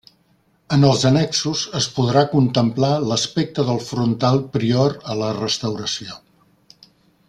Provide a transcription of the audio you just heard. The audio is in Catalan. En els annexos es podrà contemplar l'aspecte del frontal prior a la restauració.